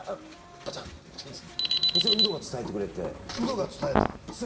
ガチャっていってそしたらウドが伝えてくれてウドが伝えたん？